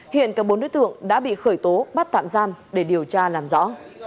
hiện cả bốn đối tượng đã bị khởi tố bắt tạm giam để điều tra làm rõ